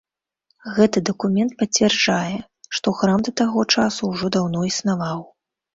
Гэты дакумент пацвярджае, што храм да таго часу ўжо даўно існаваў.